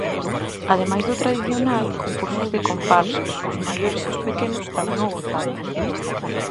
Ademais do tradicional concurso de comparsas, os maiores e os pequenos tamén o gozaron.